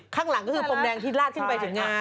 ข้างหลังก็คือพรมแดงที่ลาดขึ้นไปถึงงาน